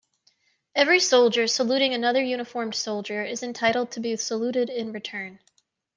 Every soldier saluting another uniformed soldier is entitled to be saluted in return.